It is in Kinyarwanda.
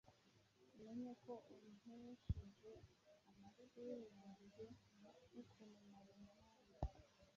Umenye ko untesheje n’amashuri yange n’ukuntu nari umuhanga!